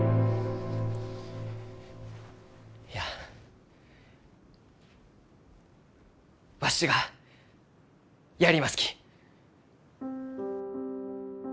いやわしはやりますき。